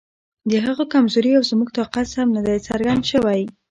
د هغه کمزوري او زموږ طاقت سم نه دی څرګند شوی.